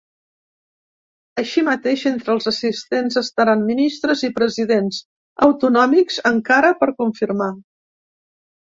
Així mateix, entre els assistents estaran ministres i presidents autonòmics encara per confirmar.